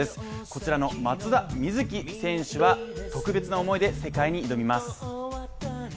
こちらの松田瑞生選手は、特別な思いで世界に挑みます。